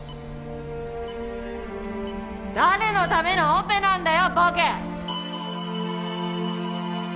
誰のためのオペなんだよボケ！